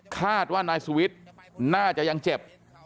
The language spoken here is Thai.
คาดว่านายสุวิทย์น่าจะยังเจ็บ